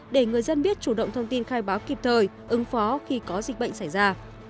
để người dân biết chủ động thông tin khai báo kịp thời ứng phó khi có dịch bệnh xảy ra